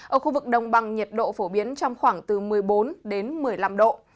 ở khu vực đồng bằng nhiệt độ phổ biến trong khoảng từ một mươi bốn một mươi năm độ